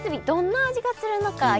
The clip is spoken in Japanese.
どんな味がするのか。